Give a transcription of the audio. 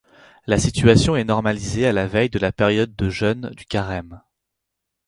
La situation est normalisée à la veille de la période de jeûne du Carême.